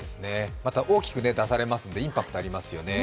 また大きく出されますので、インパクトありますよね。